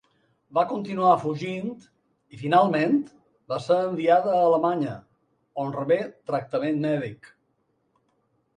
Va continuar fugint i finalment va ser enviada a Alemanya, on rebé tractament mèdic.